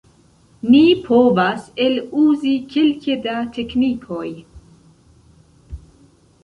Ni povas eluzi kelke da teknikoj.